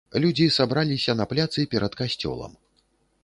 Людзі сабраліся на пляцы перад касцёлам.